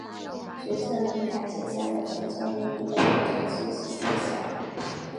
孙策命他截杀了曹操任命的扬州刺史严象。